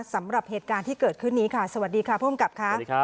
สำหรับเหตุการณ์ที่เกิดขึ้นนี้ค่ะสวัสดีค่ะพกลาง